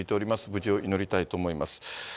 無事を祈りたいと思います。